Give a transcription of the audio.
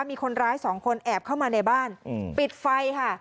มีคนร้ายสองคนแอบเข้ามาในบ้านปิดไฟค่ะ